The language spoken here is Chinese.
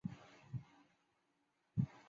费尔德海斯是前水球运动员。